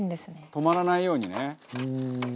「止まらないようにね」